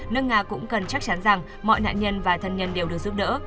nước nga cũng cần chắc chắn rằng mọi nạn nhân và thân nhân đều được giúp đỡ